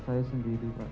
saya sendiri pak